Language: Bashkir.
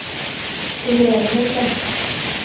Күберәген әйтәм.